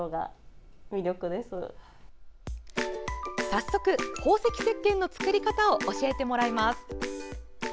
早速、宝石せっけんの作り方を教えてもらいます。